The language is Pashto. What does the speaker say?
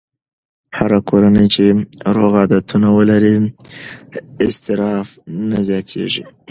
هره کورنۍ چې روغ عادتونه ولري، اضطراب نه زیاتېږي.